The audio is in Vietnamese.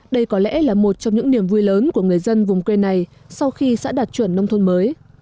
đây có lẽ là một trong những niềm vui lớn của người dân vùng quê này sau khi xã đạt chuẩn nông thôn mới